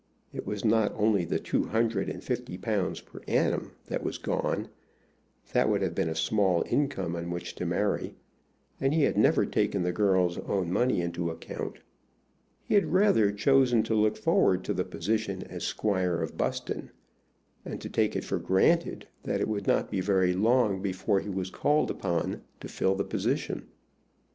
It was not only the two hundred and fifty pounds per annum that was gone: that would have been a small income on which to marry. And he had never taken the girl's own money into account. He had rather chosen to look forward to the position as squire of Buston, and to take it for granted that it would not be very long before he was called upon to fill the position.